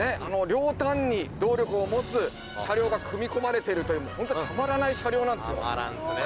両端に動力を持つ車両が組み込まれてるというホントたまらない車両なんですよ。たまらんですよね。